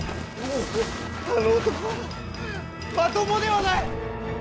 あの男はまともではない！